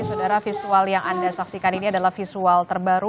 saudara visual yang anda saksikan ini adalah visual terbaru